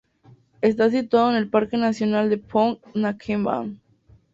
Está situado en el parque nacional de Phong Nha-Ke Bang.